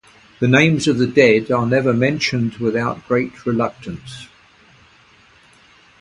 The names of the dead are never mentioned without great reluctance.